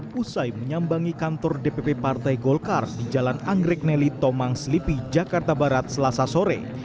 pusai menyambangi kantor dpp partai golkar di jalan anggrek neli tomang slipi jakarta barat selasa sore